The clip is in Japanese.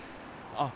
あっ